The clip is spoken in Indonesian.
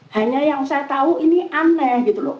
hanya yang saya tahu ini aneh gitu loh